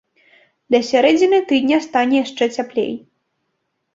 Да сярэдзіны тыдня стане яшчэ цяплей.